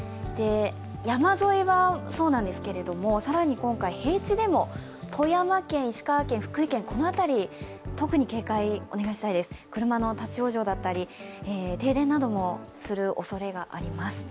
山沿いはそうなんですけれども更に今回、平地でも富山県、石川県、福井県、この辺り特に警戒をお願いしたいです、車の立往生だったり、停電などもするおそれがあります。